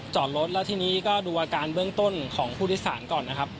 จอดรถแล้วทีนี้ก็ดูอาการเบื้องต้นของผู้โดยสารก่อนนะครับ